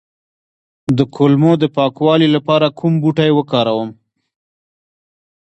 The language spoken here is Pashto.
د کولمو د پاکوالي لپاره کوم بوټی وکاروم؟